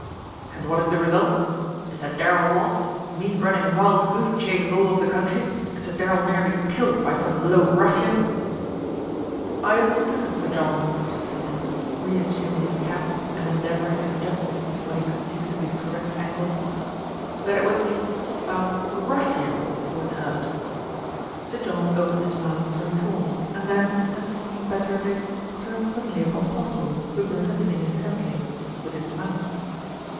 "And what is the result? Mr. Darrell lost, me run ning wild goose chases all over the country, Mr. Darrell nearly killed by some low ruffian " "I understand, Sir John," said Peters, reassuming his cap and endeavouring to adjust it to what he con ceived to be the correct angle, "that it was the, er ruffian who was hurt." Sir John opened his mouth to retort and then, as if thinking better of it, turned suddenly upon Postle, who had been listening intently with his mouth.